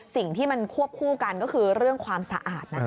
สิ่งที่มันควบคู่กันก็คือเรื่องความสะอาดนะคะ